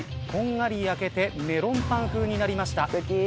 こんがり焼けてメロンパン風になりました。